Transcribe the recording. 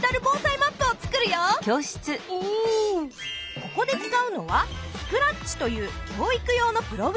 ここで使うのはスクラッチという教育用のプログラミング。